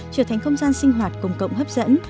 trở thành không gian sinh hoạt công cộng hấp dẫn